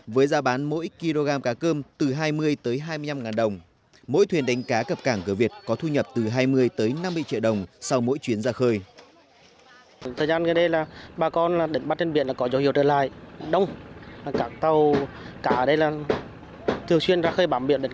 với giá bán mỗi kg cá cơm từ hai mươi tới hai mươi năm ngàn đồng mỗi thuyền đánh cá cập cảng cửa việt có thu nhập từ hai mươi tới năm mươi triệu đồng sau mỗi chuyến ra khơi